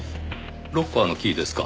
ロッカーのキーですか。